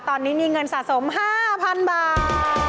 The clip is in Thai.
ตอนนี้มีเงินสะสม๕๐๐๐บาท